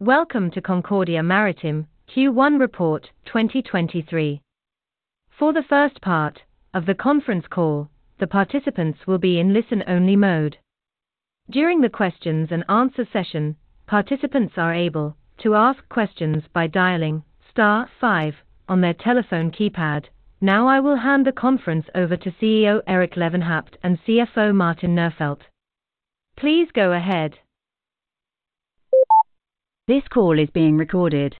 Welcome to Concordia Maritime Q1 Report 2023. For the first part of the conference call, the participants will be in listen-only mode. During the questions and answer session, participants are able to ask questions by dialing star five on their telephone keypad. I will hand the conference over to CEO Erik Lewenhaupt and CFO Martin Nerfeldt. Please go ahead. This call is being recorded.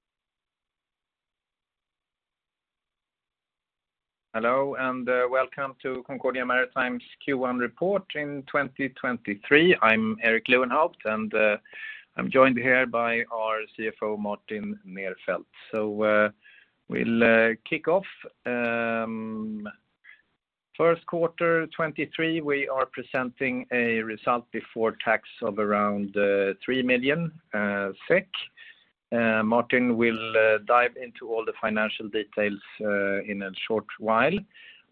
Hello, welcome to Concordia Maritime's Q1 report in 2023. I'm Erik Lewenhaupt, I'm joined here by our CFO, Martin Nerfeldt. We'll kick off. Q1 2023, we are presenting a result before tax of around 3 million SEK. Martin will dive into all the financial details in a short while.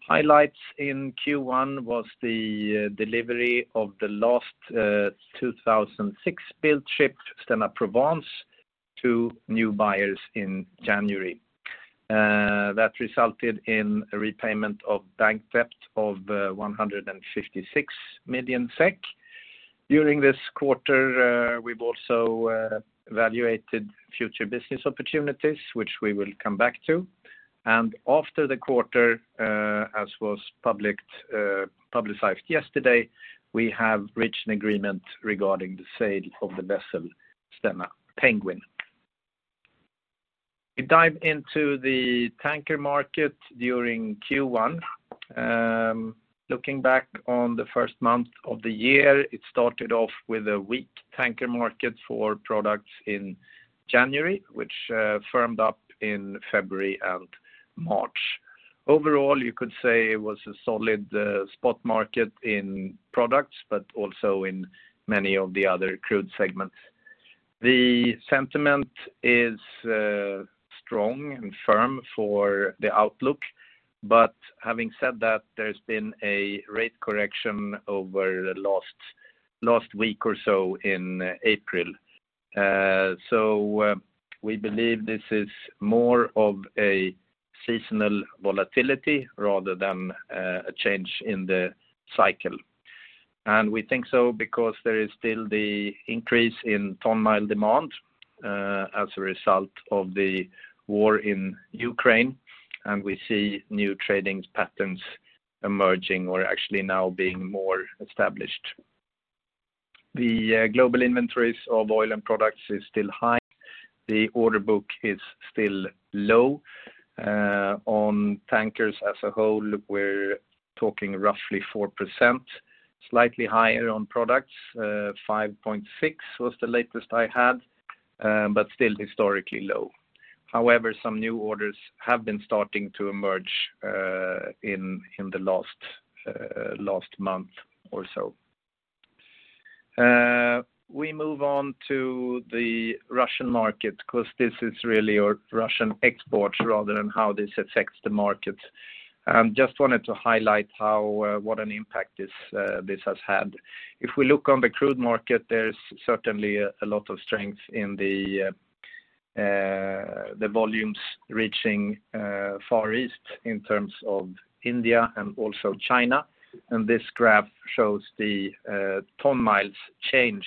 Highlights in Q1 was the delivery of the last 2006-built ship, Stena Provence, to new buyers in January. That resulted in a repayment of bank debt of 156 million SEK. During this quarter, we've also evaluated future business opportunities, which we will come back to. After the quarter, as was publicized yesterday, we have reached an agreement regarding the sale of the vessel Stena Penguin. We dive into the tanker market during Q1. Looking back on the first month of the year, it started off with a weak tanker market for products in January, which firmed up in February and March. Overall, you could say it was a solid spot market in products, but also in many of the other crude segments. The sentiment is strong and firm for the outlook. Having said that, there's been a rate correction over the last week or so in April. We believe this is more of a seasonal volatility rather than a change in the cycle. We think so because there is still the increase in ton-mile demand as a result of the war in Ukraine, and we see new trading patterns emerging or actually now being more established. The global inventories of oil and products is still high. The order book is still low. On tankers as a whole, we're talking roughly 4%, slightly higher on products, 5.6 was the latest I had, but still historically low. However, some new orders have been starting to emerge in the last month or so. We move on to the Russian market because this is really Russian exports rather than how this affects the market. Just wanted to highlight what an impact this has had. If we look on the crude market, there's certainly a lot of strength in the volumes reaching Far East in terms of India and also China. This graph shows the ton-mile change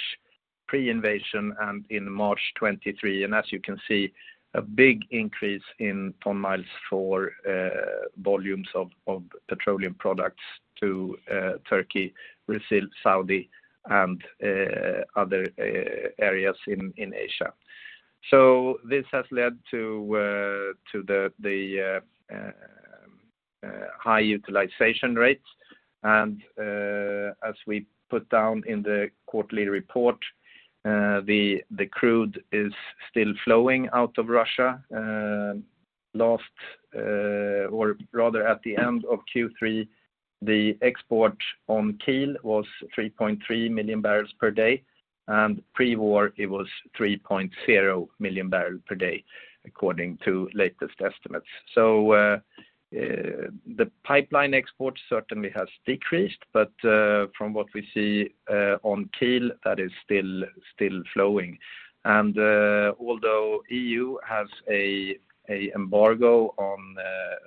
pre-invasion and in March 2023. As you can see, a big increase in ton-miles for volumes of petroleum products to Turkey, Brazil, Saudi, and other areas in Asia. This has led to the high utilization rates. As we put down in the quarterly report, the crude is still flowing out of Russia. Last or rather at the end of Q3, the export on keel was 3.3 million barrels per day, and pre-war, it was 3.0 million barrels per day, according to latest estimates. The pipeline export certainly has decreased, but from what we see on keel, that is still flowing. Although EU has an embargo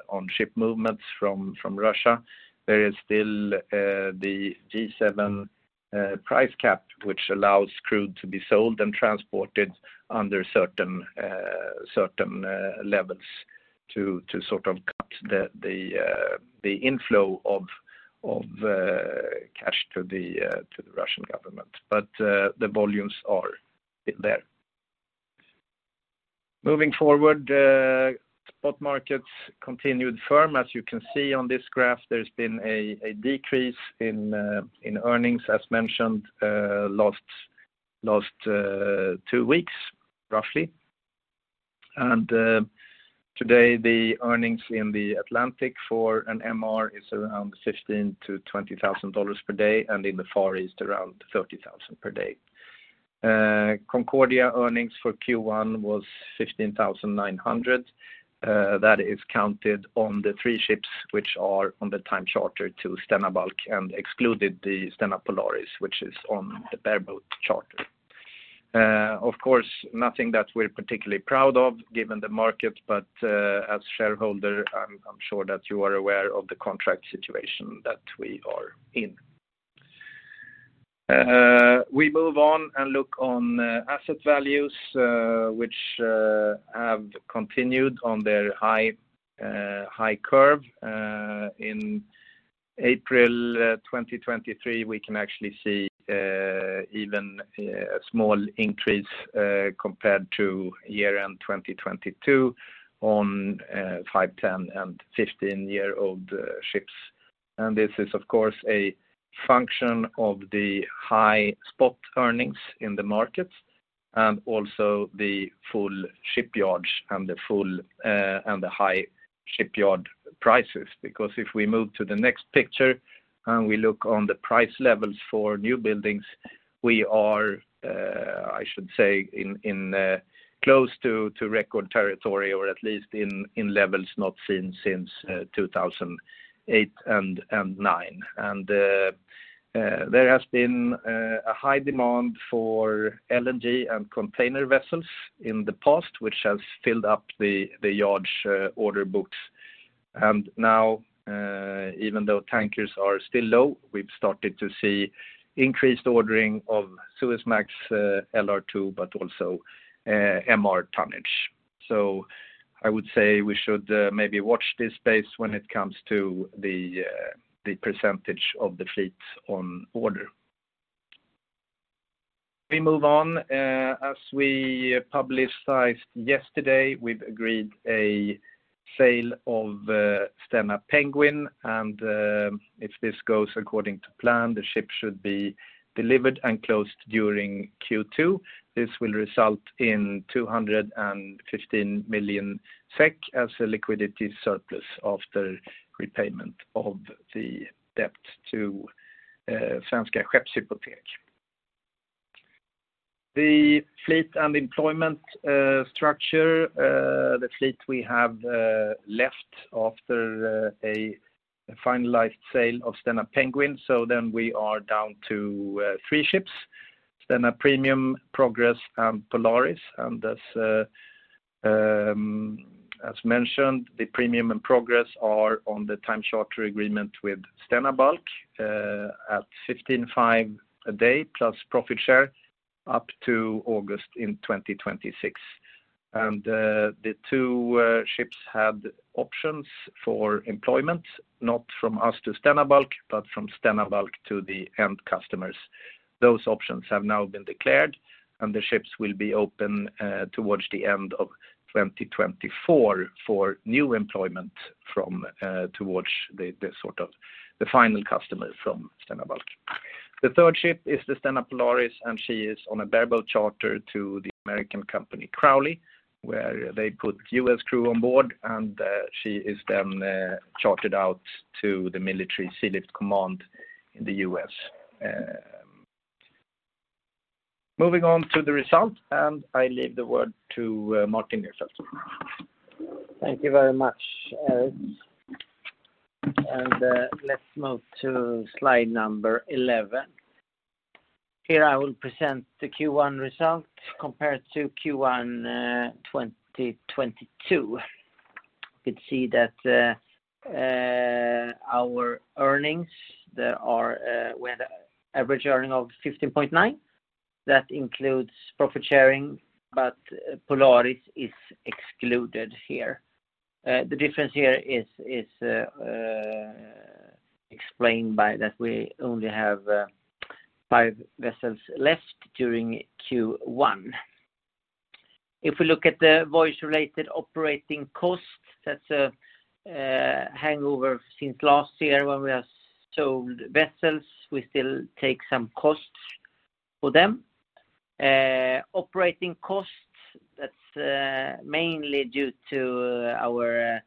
on ship movements from Russia, there is still the G7 price cap, which allows crude to be sold and transported under certain levels to sort of cut the inflow of cash to the Russian government. The volumes are there. Spot markets continued firm. As you can see on this graph, there's been a decrease in earnings, as mentioned last two weeks, roughly. Today, the earnings in the Atlantic for an MR is around $15,000-$20,000 per day, and in the Far East, around $30,000 per day. Concordia earnings for Q1 was $15,900. That is counted on the three ships which are on the time charter to Stena Bulk and excluded the Stena Polaris, which is on the bareboat charter. Of course, nothing that we're particularly proud of given the market, as shareholder, I'm sure that you are aware of the contract situation that we are in. We move on and look on asset values, which have continued on their high high curve. In April 2023, we can actually see even a small increase compared to year-end 2022 on five, 10, and 15-year-old ships. This is, of course, a function of the high spot earnings in the market and also the full shipyards and the high shipyard prices. If we move to the next picture and we look on the price levels for new buildings, we are, I should say, in close to record territory or at least in levels not seen since 2008 and 9. There has been a high demand for LNG and container vessels in the past, which has filled up the yard's order books. Now, even though tankers are still low, we've started to see increased ordering of Suezmax, LR2, but also MR tonnage. I would say we should maybe watch this space when it comes to the percentage of the fleet on order. We move on. As we publicized yesterday, we've agreed a sale of Stena Penguin. If this goes according to plan, the ship should be delivered and closed during Q2. This will result in 215 million SEK as a liquidity surplus after repayment of the debt to Svenska Skeppshypotek. The fleet and employment structure, the fleet we have left after a finalized sale of Stena Penguin, we are down to 3 ships, Stena Premium, Stena Progress, and Stena Polaris. As mentioned, the Stena Premium and Stena Progress are on the time charter agreement with Stena Bulk at 15,500 a day plus profit share up to August in 2026. The 2 ships had options for employment, not from us to Stena Bulk, but from Stena Bulk to the end customers. Those options have now been declared. The ships will be open towards the end of 2024 for new employment from towards the sort of the final customer from Stena Bulk. The third ship is the Stena Polaris. She is on a bareboat charter to the American company Crowley, where they put US crew on board. She is then chartered out to the Military Sealift Command in the US. Moving on to the result, I leave the word to Martin Nerfeldt. Thank you very much, Eric. Let's move to slide number 11. Here I will present the Q1 result compared to Q1 2022. You can see that our earnings, there are, we had an average earning of 15.9. That includes profit sharing, but Polaris is excluded here. The difference here is explained by that we only have 5 vessels left during Q1. If we look at the voyage-related operating costs, that's a hangover since last year when we have sold vessels. We still take some costs for them. Operating costs, that's mainly due to our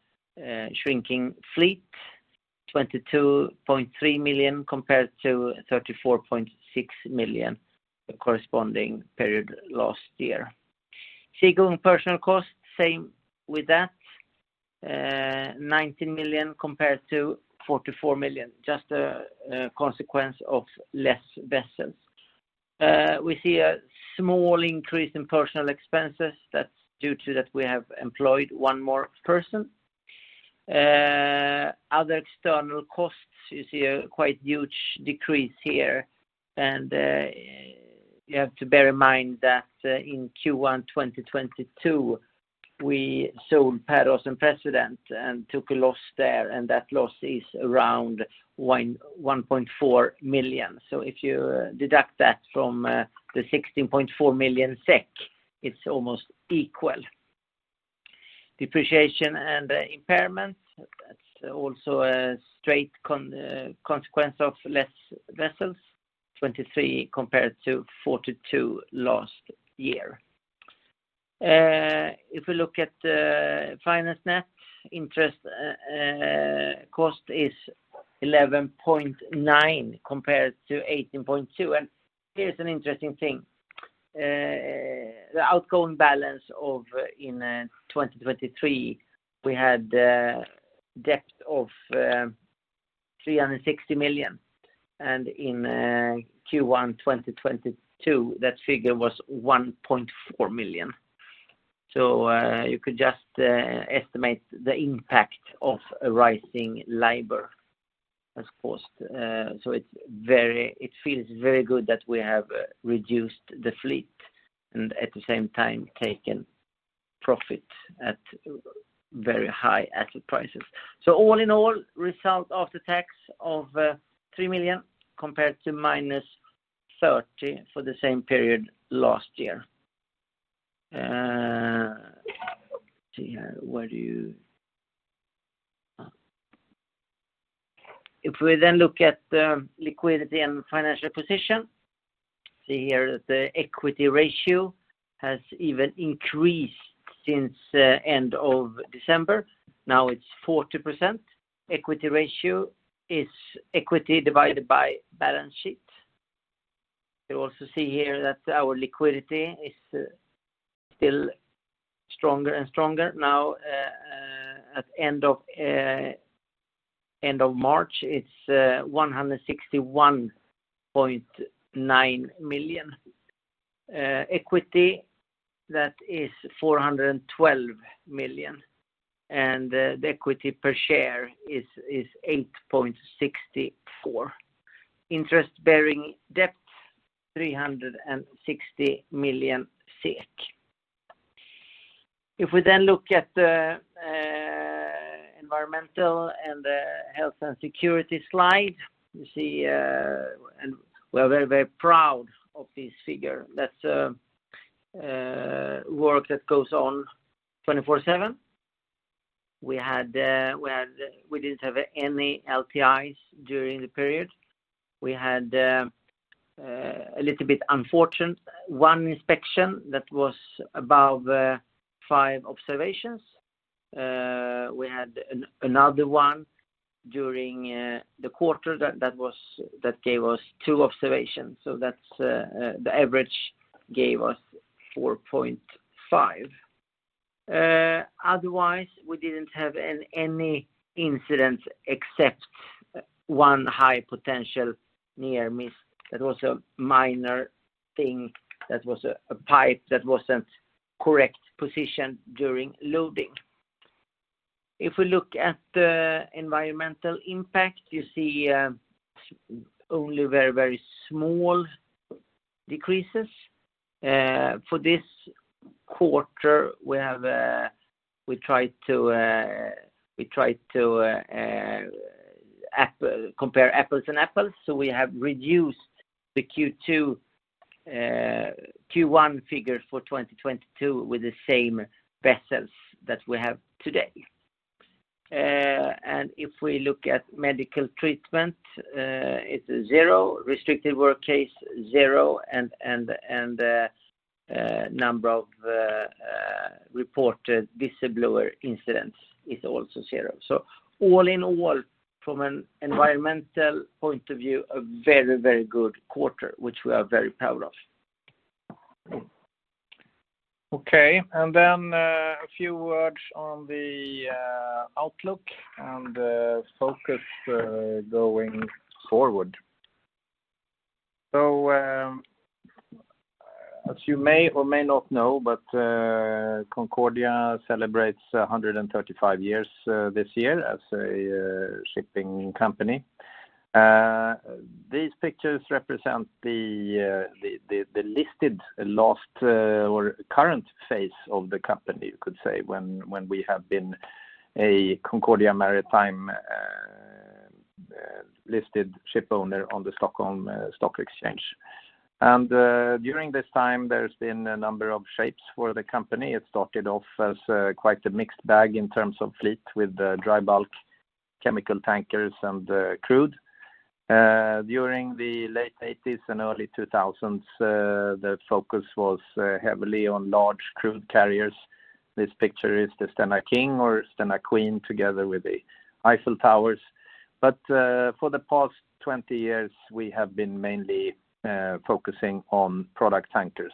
shrinking fleet, 22.3 million compared to 34.6 million the corresponding period last year. Seagoing personal costs, same with that, 19 million compared to 44 million, just a consequence of less vessels. We see a small increase in personal expenses. That's due to that we have employed one more person. Other external costs, you see a quite huge decrease here. You have to bear in mind that in Q1 2022, we sold Paris and President and took a loss there, and that loss is around 1.4 million. So if you deduct that from the 16.4 million SEK, it's almost equal. Depreciation and impairments, that's also a straight consequence of less vessels, 23 compared to 42 last year. If we look at finance net, interest cost is 11.9 compared to 18.2. Here's an interesting thing. The outgoing balance of in 2023, we had debt of 360 million. In Q1 2022, that figure was 1.4 million. You could just estimate the impact of a rising LIBOR as cost. It feels very good that we have reduced the fleet, and at the same time taken profit at very high asset prices. All in all, result after tax of 3 million compared to -30 million for the same period last year. Let's see here. If we then look at the liquidity and financial position, see here the equity ratio has even increased since end of December. Now it's 40%. Equity ratio is equity divided by balance sheet. You also see here that our liquidity is still stronger and stronger. Now, at end of end of March, it's 161.9 million. Equity, that is 412 million, and the equity per share is 8.64. Interest-bearing debt, 360 million SEK. We look at the environmental and health and security slide, you see. We're very, very proud of this figure. That's work that goes on 24/7. We didn't have any LTIs during the period. We had a little bit unfortunate one inspection that was above five observations. We had another one during the quarter that gave us two observations. That's the average gave us 4.5. Otherwise, we didn't have any incidents except one high potential near miss. That was a minor thing. That was a pipe that wasn't correct positioned during loading. If we look at the environmental impact, you see, only very, very small decreases. For this quarter, we tried to compare apples and apples, so we have reduced the Q2, Q1 figures for 2022 with the same vessels that we have today. If we look at medical treatment, it's zero. Restricted work case, zero. Number of reported whistleblower incidents is also 0. All in all, from an environmental point of view, a very, very good quarter, which we are very proud of. Okay. A few words on the outlook and focus going forward. As you may or may not know, Concordia celebrates 135 years this year as a shipping company. These pictures represent the listed last or current phase of the company, you could say, when we have been a Concordia Maritime listed shipowner on the Stockholm Stock Exchange. During this time, there's been a number of shapes for the company. It started off as quite a mixed bag in terms of fleet with dry bulk, chemical tankers, and crude. During the late 1980s and early 2000s, the focus was heavily on large crude carriers. This picture is the Stena King or Stena Queen together with the Eiffel Towers. For the past 20 years, we have been mainly focusing on product tankers.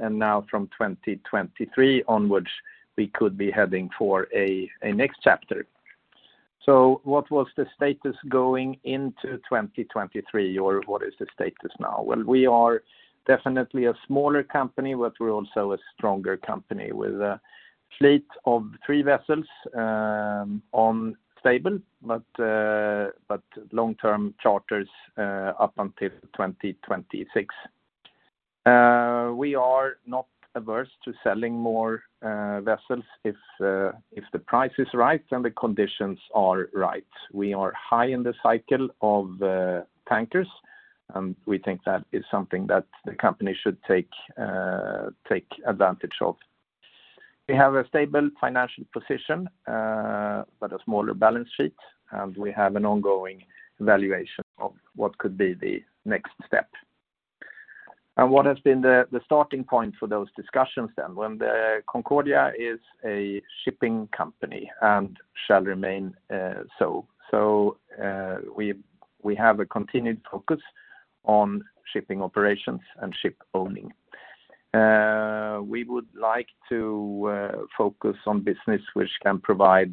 Now from 2023 onwards, we could be heading for a next chapter. What was the status going into 2023, or what is the status now? We are definitely a smaller company, but we're also a stronger company with a fleet of 3 vessels on stable, but long-term charters up until 2026. We are not averse to selling more vessels if the price is right and the conditions are right. We are high in the cycle of tankers, and we think that is something that the company should take advantage of. We have a stable financial position, but a smaller balance sheet, and we have an ongoing valuation of what could be the next step. What has been the starting point for those discussions then? The Concordia is a shipping company and shall remain so. We have a continued focus on shipping operations and ship owning. We would like to focus on business which can provide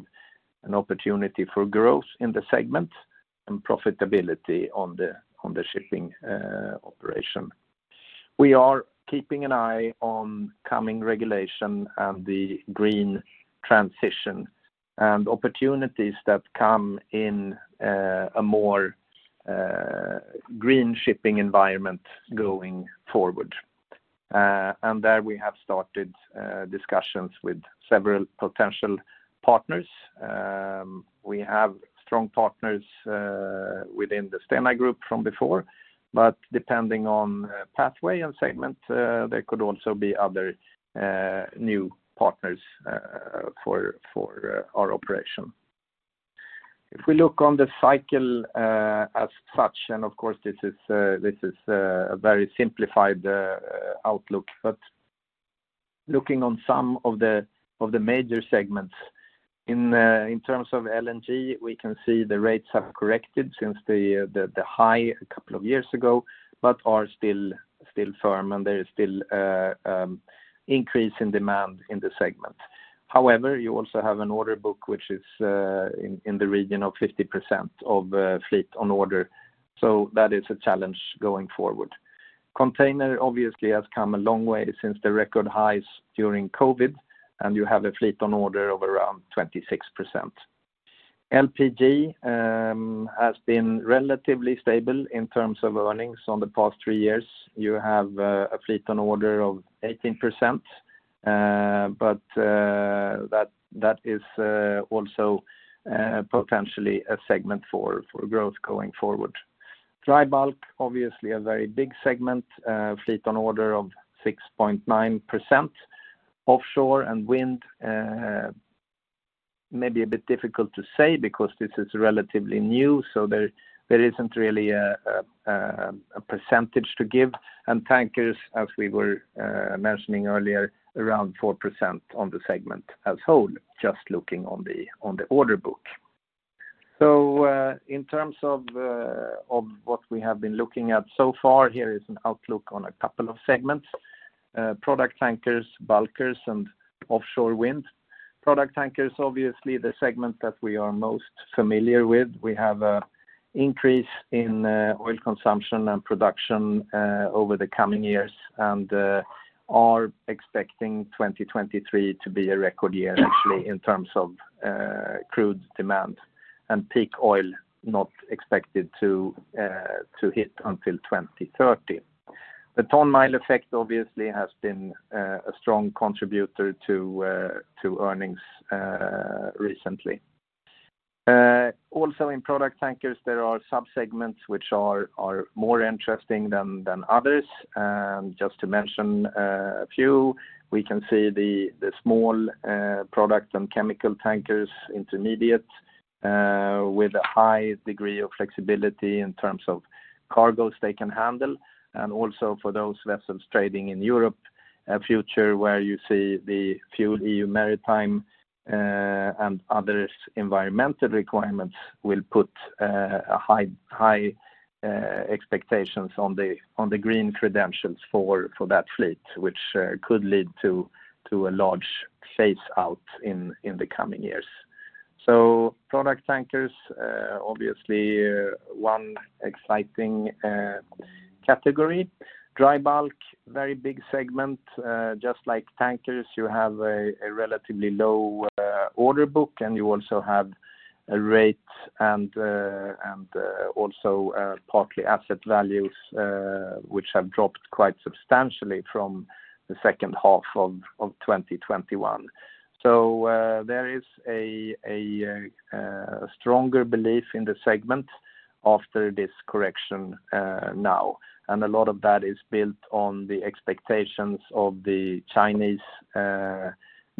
an opportunity for growth in the segment and profitability on the, on the shipping operation. We are keeping an eye on coming regulation and the green transition and opportunities that come in a more green shipping environment going forward. There we have started discussions with several potential partners. We have strong partners within the Stena Group from before, but depending on pathway and segment, there could also be other new partners for our operation. If we look on the cycle as such, and of course this is a very simplified outlook. Looking on some of the major segments in terms of LNG, we can see the rates have corrected since the high a couple of years ago, but are still firm and there is still increase in demand in the segment. However, you also have an order book which is in the region of 50% of fleet on order, so that is a challenge going forward. Container obviously has come a long way since the record highs during COVID. You have a fleet on order of around 26%. LPG has been relatively stable in terms of earnings on the past 3 years. You have a fleet on order of 18%. That is also potentially a segment for growth going forward. Dry bulk, obviously a very big segment, fleet on order of 6.9%. Offshore and wind may be a bit difficult to say because this is relatively new, so there isn't really a percentage to give. Tankers, as we were mentioning earlier, around 4% on the segment as whole, just looking on the order book. In terms of what we have been looking at so far, here is an outlook on a couple of segments: product tankers, bulkers, and offshore wind. Product tankers, obviously the segment that we are most familiar with. We have a increase in oil consumption and production over the coming years, and are expecting 2023 to be a record year actually in terms of crude demand and peak oil not expected to hit until 2030. The ton-mile effect obviously has been a strong contributor to earnings recently. In product tankers, there are sub-segments which are more interesting than others. Just to mention a few, we can see the small product and chemical tankers intermediate with a high degree of flexibility in terms of cargos they can handle. Also for those vessels trading in Europe, a future where you see the FuelEU Maritime and other environmental requirements will put a high expectations on the green credentials for that fleet, which could lead to a large phase out in the coming years. Product tankers obviously one exciting category. Dry bulk, very big segment. Just like tankers, you have a relatively low order book, and you also have a rate and also partly asset values which have dropped quite substantially from the second half of 2021. There is a stronger belief in the segment after this correction now. A lot of that is built on the expectations of the Chinese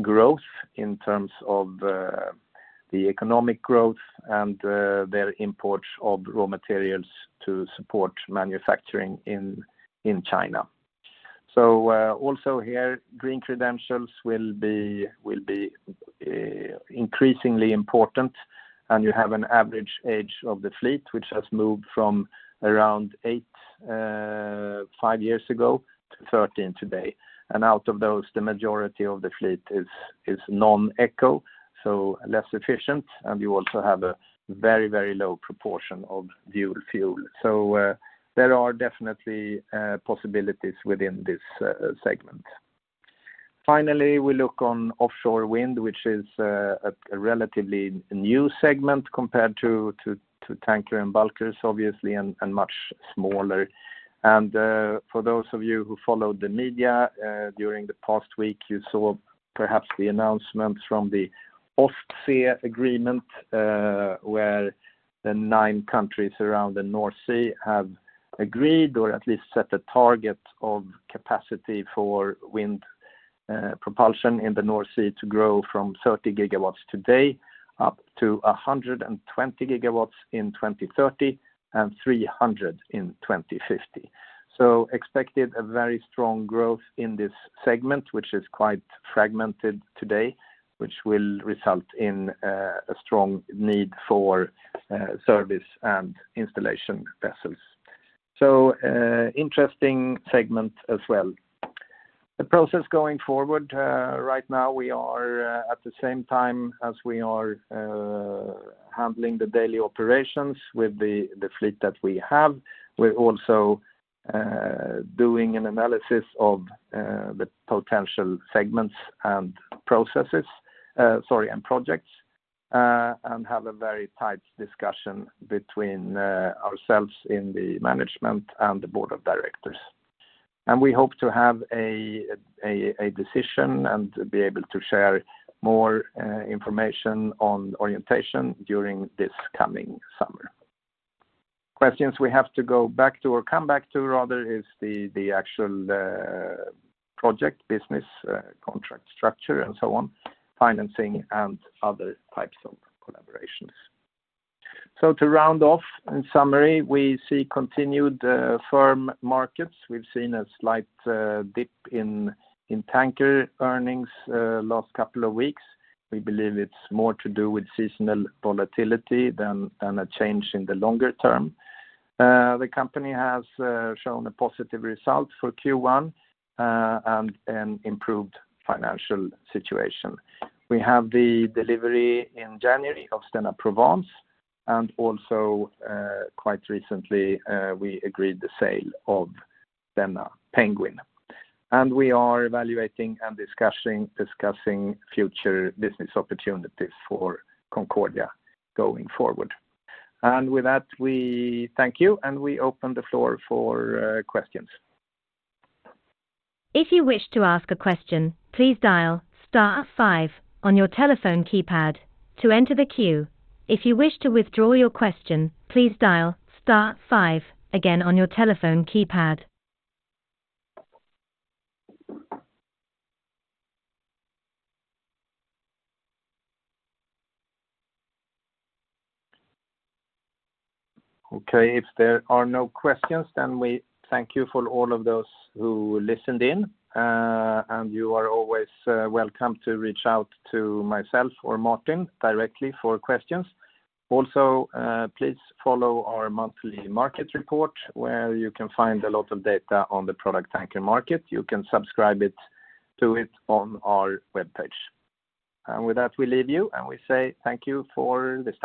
growth in terms of the economic growth and their imports of raw materials to support manufacturing in China. Also here, green credentials will be increasingly important. You have an average age of the fleet, which has moved from around 8, 5 years ago to 13 today. Out of those, the majority of the fleet is non-eco, so less efficient. You also have a very, very low proportion of dual fuel. There are definitely possibilities within this segment. Finally, we look on offshore wind, which is a relatively new segment compared to tanker and bulkers obviously and much smaller. For those of you who followed the media during the past week, you saw perhaps the announcements from the Ostend Declaration, where the nine countries around the North Sea have agreed, or at least set a target of capacity for wind propulsion in the North Sea to grow from 30 gigawatts today up to 120 gigawatts in 2030 and 300 in 2050. Expected a very strong growth in this segment, which is quite fragmented today, which will result in a strong need for service and installation vessels. Interesting segment as well. The process going forward, right now, we are, at the same time as we are, handling the daily operations with the fleet that we have. We're also doing an analysis of the potential segments and processes, sorry, and projects. We have a very tight discussion between ourselves in the management and the board of directors. We hope to have a decision and to be able to share more information on orientation during this coming summer. Questions we have to go back to or come back to rather is the actual project business, contract structure and so on, financing and other types of collaborations. To round off, in summary, we see continued firm markets. We've seen a slight dip in tanker earnings last couple of weeks. We believe it's more to do with seasonal volatility than a change in the longer term. The company has shown a positive result for Q1 and an improved financial situation. We have the delivery in January of Stena Provence, and also quite recently, we agreed the sale of Stena Penguin. We are evaluating and discussing future business opportunities for Concordia going forward. With that, we thank you and we open the floor for questions. If you wish to ask a question, please dial star five on your telephone keypad to enter the queue. If you wish to withdraw your question, please dial star five again on your telephone keypad. Okay. If there are no questions, we thank you for all of those who listened in. You are always welcome to reach out to myself or Martin directly for questions. Please follow our monthly market report where you can find a lot of data on the product tanker market. You can subscribe to it on our webpage. With that, we leave you and we say thank you for this time.